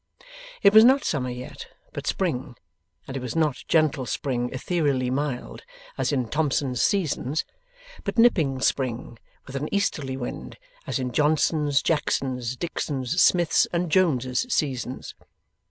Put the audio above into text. It was not summer yet, but spring; and it was not gentle spring ethereally mild, as in Thomson's Seasons, but nipping spring with an easterly wind, as in Johnson's, Jackson's, Dickson's, Smith's, and Jones's Seasons.